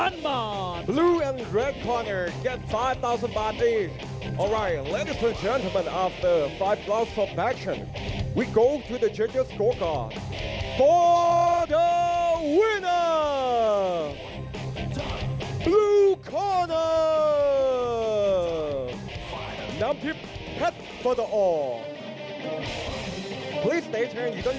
รับมาเรียนเงินระวังไฟเตอร์คนละ๕๐๐๐บาท